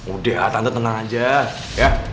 udah tante tenang aja ya